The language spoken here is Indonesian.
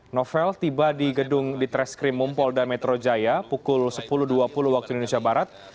novel tiba di gedung ditreskrim mumpolda metro jaya pukul sepuluh dua puluh waktu indonesia barat